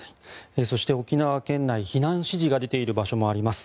そして、沖縄県内避難指示が出ている場所もあります。